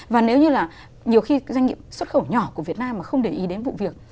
và nếu như là nhiều khi doanh nghiệp xuất khẩu nhỏ của việt nam mà không để ý đến vụ việc